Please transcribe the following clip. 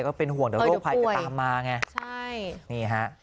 ก็เป็นห่วงเดี๋ยวโรคภัยจะตามมาไง